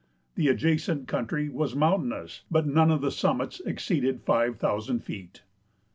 The adjacent coun try was mountainous, but none of the summits exceeded 5,000 feet.